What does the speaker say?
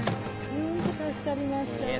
ホント助かりました。